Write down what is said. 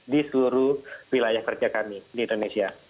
di seluruh wilayah kerja kami di indonesia